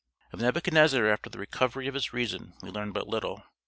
Of Nebuchadnezzar after the recovery of his reason we learn but little.